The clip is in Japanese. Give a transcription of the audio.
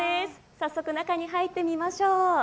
早速、中に入ってみましょう。